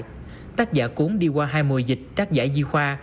các tác giả cuốn đi qua hai mùa dịch tác giả di khoa